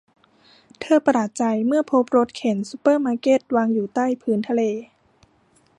เธอประหลาดใจเมื่อพบรถเข็นซูเปอร์มาร์เก็ตวางอยู่ใต้พื้นทะเล